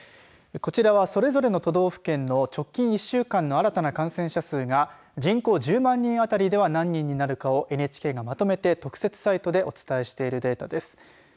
こちらは、それぞれの都道府県の直近１週間の新たな感染者数が人口１０万人あたりでは何人になるかをＮＨＫがまとめて特設サイトでお伝えしているデータです。